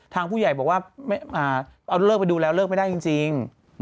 ทางผู้ใหญ่บอกว่าเอาเลิกไปดูแล้วเลิกไม่ได้จริง